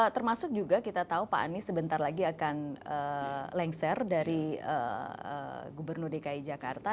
termasuk juga kita tahu pak anies sebentar lagi akan lengser dari gubernur dki jakarta